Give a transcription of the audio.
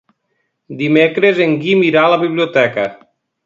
Dimecres en Guim irà a la biblioteca.